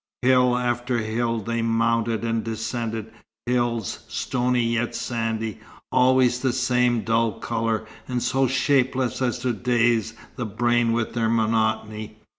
Hill after hill, they mounted and descended; hills stony yet sandy, always the same dull colour, and so shapeless as to daze the brain with their monotony.